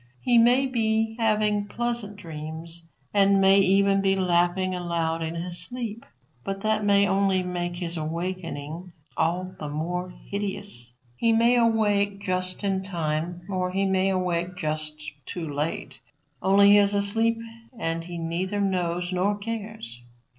He may be having pleasant dreams, and may even be laughing aloud in his sleep, but that may only make his awaking all the more hideous. He may awake just in time, or he may awake just too late. Only, he is asleep and he neither knows nor cares.